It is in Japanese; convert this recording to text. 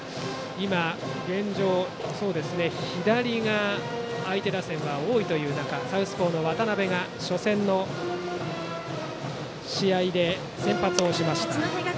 現状、左が相手打線は多い中サウスポーの渡部が初戦の試合で先発をしました。